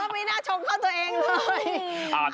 ไม่น่าชงเข้าตัวเองเลย